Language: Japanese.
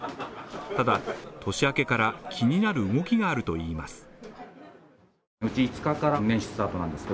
ただ、年明けから気になる動きがあるといいます。